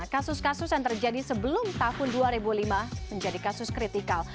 kasus kasus yang terjadi sebelum tahun dua ribu lima menjadi kasus kritikal